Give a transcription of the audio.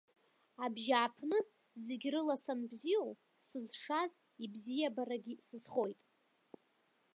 Абжьааԥны, зегьрыла санбзиоу, сызшаз ибзиабарагьы сызхоит.